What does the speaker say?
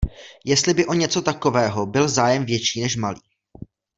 Jestli by o něco takového byl zájem větší než malý.